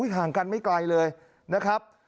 ห่างกันไม่ไกลเลยนะครับ